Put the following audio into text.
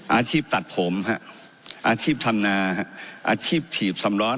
อาชีพตัดผมฮะอาชีพทำนาอาชีพถีบสำร้อน